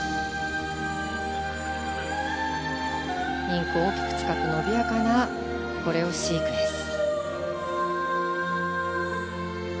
リンクを大きく使って伸びやかなコレオシークエンス。